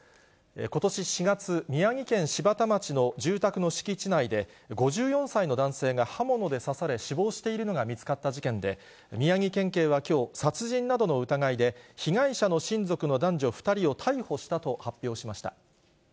ことし４月、宮城県柴田町の住宅の敷地内で、５４歳の男性が刃物で刺され、死亡しているのが見つかった事件で、宮城県警はきょう、殺人などの疑いで、被害者の親族の男女２人を逮捕したと発表しました。